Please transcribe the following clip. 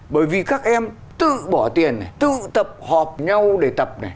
bởi vì các em tự bỏ tiền này tự tập hợp nhau để tập này